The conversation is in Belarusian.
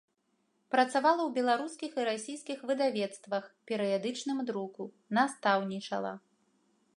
Працавала ў беларускіх і расійскіх выдавецтвах, перыядычным друку, настаўнічала.